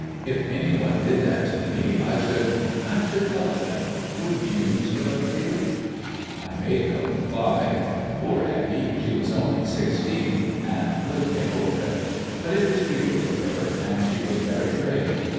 If anybody did that to me I should I should love them. Wouldn't you, Mr. Butterfield?" I made no reply. Poor Aggie! She was only sixteen, and would get over it; but it was real to her, and she was very brave.